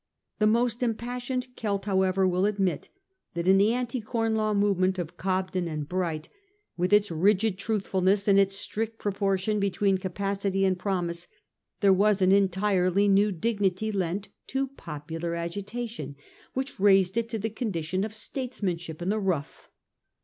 The most im passioned Celt, however, will admit that in the Anti Com Law movement of Cobden and Bright, 1841— (5. THE OPPONENTS OF THE MOVEMENT. 349 ■with, its rigid truthfulness and its strict proportion between capacity and promise, there was an entirely new dignity lent to popular agitation which raised it to the condition of statesmanship in the rough.